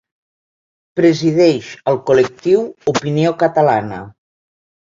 Presideix el col·lectiu Opinió Catalana.